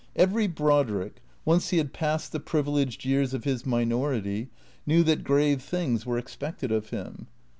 Every Brodrick, once he had passed the privileged years of his minority, knew that grave things were expected of him.